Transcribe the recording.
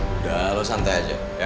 udah lo santai aja